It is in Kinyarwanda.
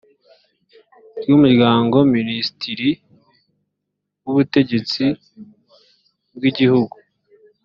ry umuryango minisitiri w ubutegetsi bw igihugu